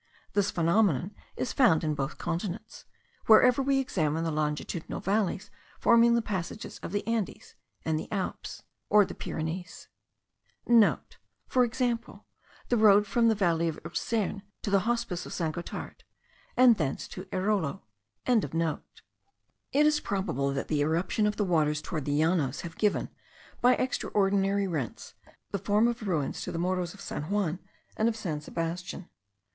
This phenomenon is found in both continents, wherever we examine the longitudinal valleys forming the passages of the Andes, the Alps,* (* For example, the road from the valley of Ursern to the Hospice of St. Gothard, and thence to Airolo.) or the Pyrenees. It is probable, that the irruption of the waters towards the Llanos have given, by extraordinary rents, the form of ruins to the Morros of San Juan and of San Sebastian.